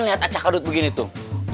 lihat acakadut begini tuh